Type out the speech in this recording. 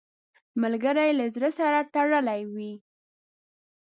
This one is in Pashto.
ملګری له زړه سره تړلی وي